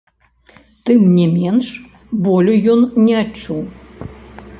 Тым не менш, болю ён не адчуў.